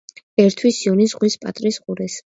ერთვის იონიის ზღვის პატრის ყურეს.